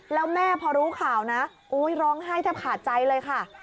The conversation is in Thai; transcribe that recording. แล้วแม่พอรู้ข่าวนะโอ๊ยร้องไห้แทบขาดใจเลยค่ะ